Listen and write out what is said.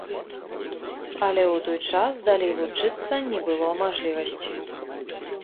Але ў той час далей вучыцца не было мажлівасці.